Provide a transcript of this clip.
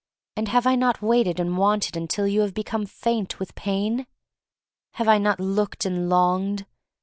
And have I not waited and wanted until you have become faint with pain? Have I not looked and longed?